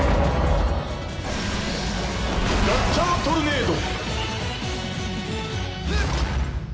「ガッチャートルネード！」